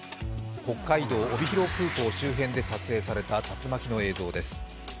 北海道・帯広空港周辺で撮影された竜巻の映像です。